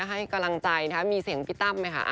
ให้กำลังใจมีเสียงพีตามไหมค่ะ